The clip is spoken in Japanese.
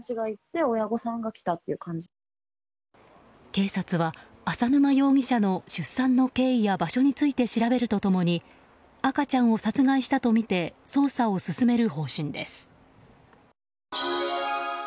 警察は浅沼容疑者の出産の経緯や場所について調べると共に赤ちゃんを殺害したとみて捜査を進める方針です。